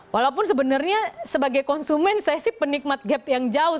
walaupun sebenarnya sebagai konsumen saya sih penikmat gap yang jauh